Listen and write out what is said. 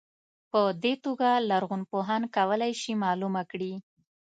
په دې توګه لرغونپوهان کولای شي معلومه کړي.